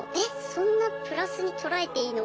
そんなプラスに捉えていいの？